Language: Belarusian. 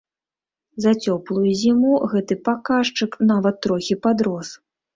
За цёплую зіму гэты паказчык нават трохі падрос.